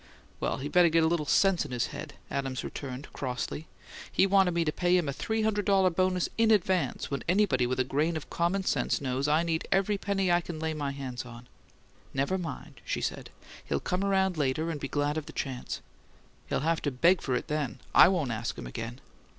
"Well, he better get a little sense in his head," Adams returned, crossly. "He wanted me to pay him a three hundred dollar bonus in advance, when anybody with a grain of common sense knows I need every penny I can lay my hands on!" "Never mind," she said. "He'll come around later and be glad of the chance." "He'll have to beg for it then! I won't ask him again."